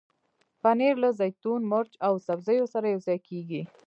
پنېر له زیتون، مرچ او سبزیو سره یوځای کېږي.